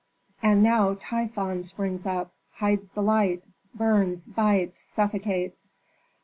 And now Typhon springs up, hides the light, burns, bites, suffocates.